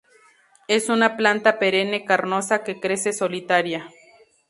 Es una planta perenne carnosa que crece solitaria.